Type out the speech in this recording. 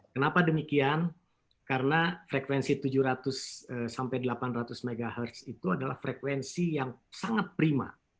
kenapa demikian karena frekuensi tujuh ratus sampai delapan ratus mhz itu adalah frekuensi yang sangat prima